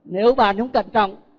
nếu bạn không cẩn trọng